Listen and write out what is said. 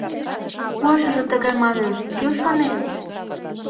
Койышыжо тыгай манын, кӧ шонен.